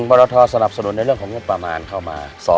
รทสนับสนุนในเรื่องของงบประมาณเข้ามา